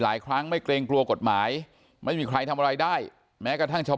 ครั้งไม่เกรงกลัวกฎหมายไม่มีใครทำอะไรได้แม้กระทั่งชาว